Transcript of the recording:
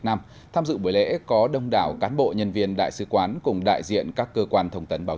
nam tham dự buổi lễ có đông đảo cán bộ nhân viên đại sứ quán cùng đại diện các cơ quan thông tấn báo